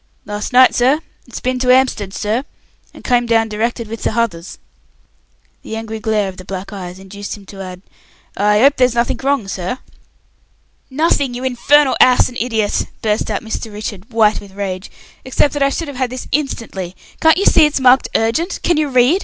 "Lars night, sir. It's bin to 'Amstead, sir, and come down directed with the h'others." The angry glare of the black eyes induced him to add, "I 'ope there's nothink wrong, sir." "Nothing, you infernal ass and idiot," burst out Mr. Richard, white with rage, "except that I should have had this instantly. Can't you see it's marked urgent? Can you read?